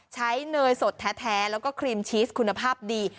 เนยสดแท้แล้วก็ครีมชีสคุณภาพดี